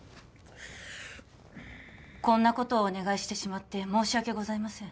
こんなことをお願いしてしまって申し訳ございません